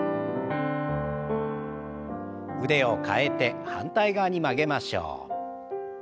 腕を替えて反対側に曲げましょう。